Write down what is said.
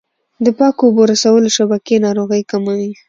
د پاکو اوبو رسولو شبکې ناروغۍ کموي.